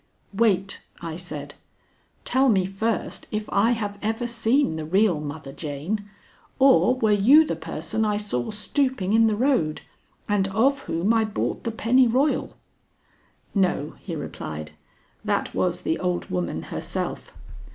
"Wait," I said; "tell me first if I have ever seen the real Mother Jane; or were you the person I saw stooping in the road, and of whom I bought the pennyroyal?" "No," he replied; "that was the old woman herself.